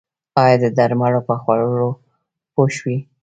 ایا د درملو په خوړلو پوه شوئ؟